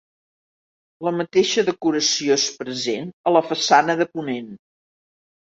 La mateixa decoració és present a la façana de ponent.